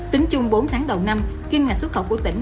tính chung bốn tháng đầu năm kinh ngạch xuất khẩu của tỉnh